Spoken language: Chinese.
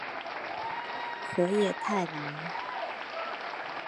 河野太郎。